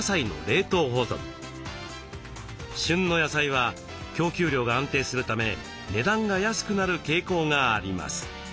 旬の野菜は供給量が安定するため値段が安くなる傾向があります。